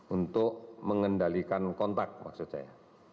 untuk mengendalikan kontak maksud saya